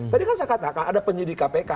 tadi kan saya katakan ada penyidik kpk